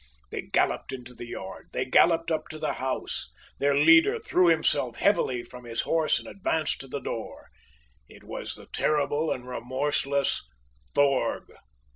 They galloped into the yard they galloped up to the house their leader threw himself heavily from his horse and advanced to the door. It was the terrible and remorseless Thorg!